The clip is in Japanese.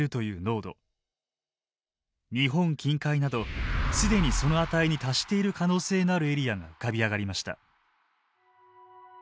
日本近海など既にその値に達している可能性のあるエリアが浮かび上がりました。